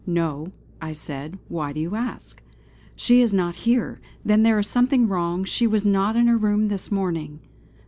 "No," I said "Why do you ask?" "She is not here! Then there is something wrong; she was not in her room this morning!"